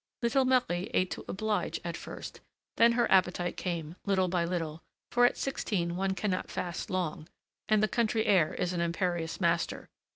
Little Marie ate to oblige at first; then her appetite came, little by little; for at sixteen one cannot fast long, and the country air is an imperious master.